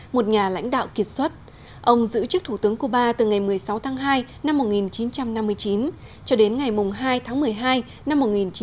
một nhà lãnh đạo kiệt xuất ông giữ chức thủ tướng cuba từ ngày một mươi sáu tháng hai năm một nghìn chín trăm năm mươi chín cho đến ngày hai tháng một mươi hai năm một nghìn chín trăm bảy mươi